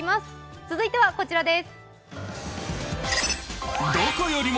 続いてはこちらです。